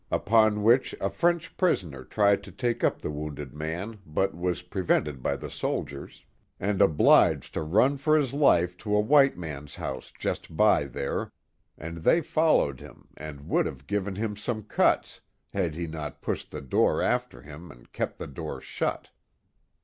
Upon which a French prisoner tried to lake up the wounded man but was prevented by the soldiers, and obliged to run for his life to a white man's house just by there, and they followed him and would have given him some cuts, had he not pushed the door after him and kept the door shut.